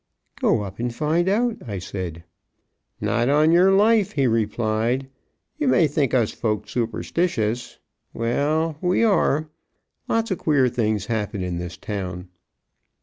"Go up and find out," I said. "Not on yer life," he replied. "You may think us folks superstitious well, we are. Lots of queer things happen in this town."